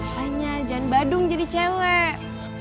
hanya jan badung jadi cewek